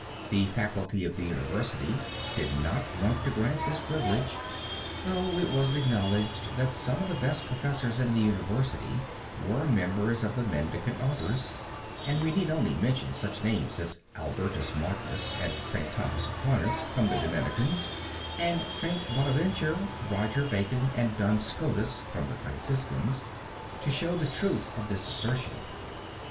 The faculty of the University did not want to grant this privilege, though it was acknowledged that some of the best professors in the University were members of the Mendicant orders, and we need only mention such names as Albertus Magnus and St. Thomas Aquinas from the Dominicans, and St. Bonaventure, Roger Bacon and Duns Scotus from the Franciscans, to show the truth of this assertion.